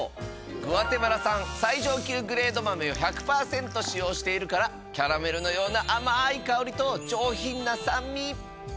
グアテマラ産最上級グレード豆を１００％使用しているからキャラメルのような甘い香りと上品な酸味。